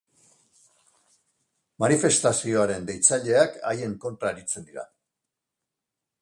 Manifestazioaren deitzaileak haien kontra aritzen dira.